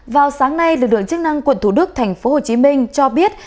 vào sáng nay lực lượng chức năng quận thủ đức tp hcm cho biết